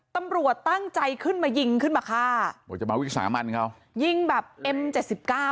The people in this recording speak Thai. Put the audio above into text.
ตำรวจตั้งใจขึ้นมายิงขึ้นมาฆ่าโอ้จะมาวิสามันเขายิงแบบเอ็มเจ็ดสิบเก้า